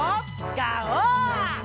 ガオー！